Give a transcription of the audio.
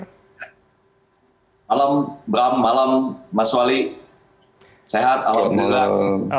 malam malam mas wali sehat alhamdulillah